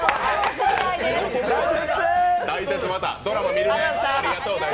大鉄、またドラマ見るわ。